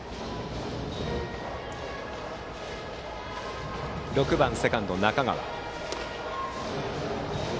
バッターは６番セカンド、中川。